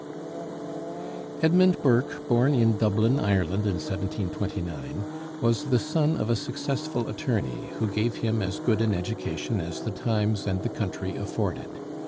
L. GODKIN Edmund Burke, born in Dublin, Ireland, in 1729, was the son of a successful attorney, who gave him as good an education as the times and the country afforded.